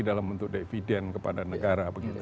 dalam bentuk dividend kepada negara